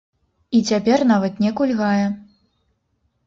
І цяпер нават не кульгае.